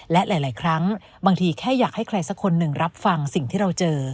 และหลายครั้งบางทีแค่อยากให้ใครสักคนหนึ่งรับฟังสิ่งที่เราเจอ